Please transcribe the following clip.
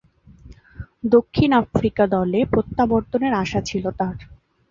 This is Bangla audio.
দক্ষিণ আফ্রিকা দলে প্রত্যাবর্তনের আশা ছিল তার।